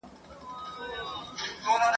محتسب مړ وي سیوری یې نه وي !.